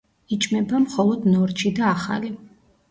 იჭმება მხოლოდ ნორჩი და ახალი.